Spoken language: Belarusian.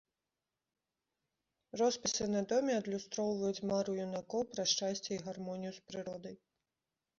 Роспісы на доме адлюстроўваюць мару юнакоў пра шчасце і гармонію з прыродай.